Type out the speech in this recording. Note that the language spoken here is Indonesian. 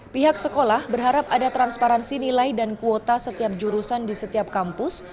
pihak sekolah berharap ada transparansi nilai dan kuota setiap jurusan di setiap kampus